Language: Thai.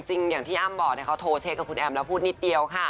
อย่างที่อ้ำบอกเขาโทรเช็คกับคุณแอมแล้วพูดนิดเดียวค่ะ